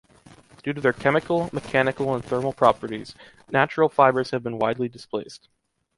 Due to their chemical, mechanical and thermal properties, natural fibers have been widely displaced.